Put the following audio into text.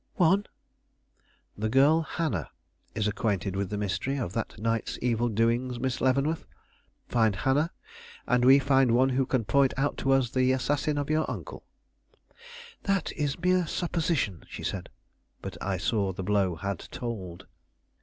"One?" "The girl Hannah is acquainted with the mystery of that night's evil doings, Miss Leavenworth. Find Hannah, and we find one who can point out to us the assassin of your uncle." "That is mere supposition," she said; but I saw the blow had told.